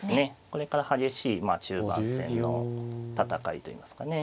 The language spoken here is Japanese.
これから激しい中盤戦の戦いといいますかね。